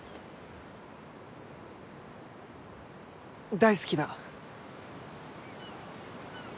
大好きだ。